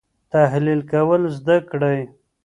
تحقیق کول زده کړئ.